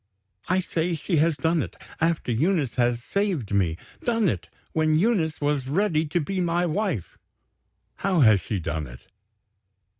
"I say, she has done it, after Eunice has saved me done it, when Eunice was ready to be my wife." "How has she done it?"